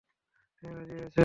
হ্যাঁ, রাজি হয়েছে।